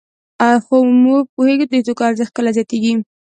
خو موږ پوهېږو د توکو ارزښت کله زیاتېږي